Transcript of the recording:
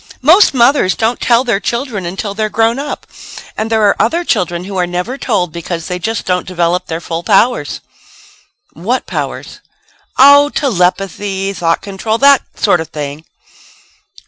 Most mothers don't tell their children until they're grown up. And there are other children who are never told because they just don't develop their full powers." "What powers?" "Oh, telepathy, thought control that sort of thing."